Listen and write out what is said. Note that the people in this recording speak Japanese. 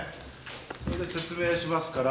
これで説明しますから。